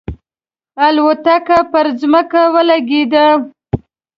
الوتکه پر ځمکه ولګېده.